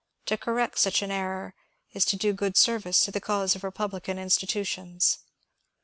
To correct such an error is to do good service to the cause of republi can institutions.